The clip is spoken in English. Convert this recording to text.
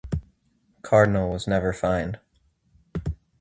Cardinal was never fined.